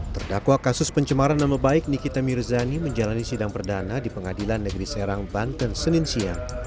terdakwa kasus pencemaran nama baik nikita mirzani menjalani sidang perdana di pengadilan negeri serang banten senin siang